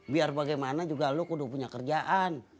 biar bagaimana juga lu kuduk punya kerjaan